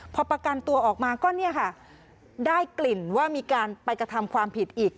พอประกันตัวออกมาก็เนี่ยค่ะได้กลิ่นว่ามีการไปกระทำความผิดอีก